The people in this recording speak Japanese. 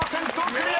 クリア！］